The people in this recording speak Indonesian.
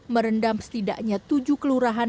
merendam setidaknya tujuh kelurahan